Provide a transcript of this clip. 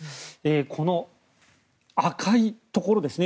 この赤いところですね。